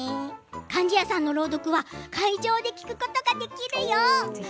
貫地谷さんの朗読は会場で聞くことができるよ。